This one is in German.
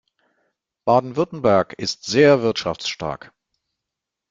Baden-Württemberg ist sehr wirtschaftsstark.